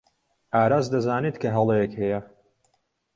ئاراس دەزانێت کە هەڵەیەک هەیە.